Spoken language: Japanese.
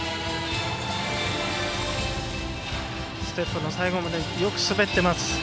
ステップの最後までよく滑ってます。